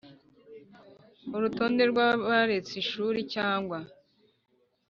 Urutonde rw abaretse ishuri cyangwa